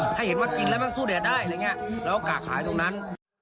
ให้เห็นว่ากินแล้วมันสู้แดดได้อะไรอย่างนี้แล้วกะขายตรงนั้น